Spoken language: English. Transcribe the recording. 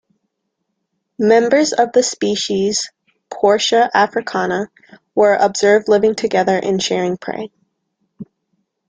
Members of the species "Portia africana" were observed living together and sharing prey.